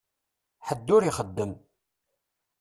Ḥedd ur ixeddem.